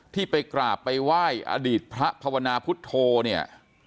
ที่ไปกราบไปไหว้อดีตพระภาวนาพุทธโธเนี่ย